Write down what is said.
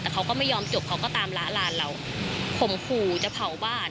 แต่เขาก็ไม่ยอมจบเขาก็ตามละลานเราข่มขู่จะเผาบ้าน